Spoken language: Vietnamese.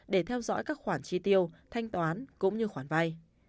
để theo dõi các khoản chi tiêu thanh toán cũng như khoản vay